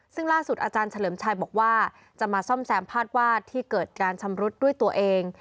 ซึ่งล่าสุดอาจารย์เฉลิมชัยบอกว่าจะมาซ่อมแซมพาดวาดที่เกิดการชำรุดด้วยตัวเอง